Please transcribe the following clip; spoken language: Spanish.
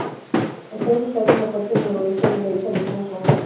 Está ubicado en la parte noroeste de la isla de Hong Kong.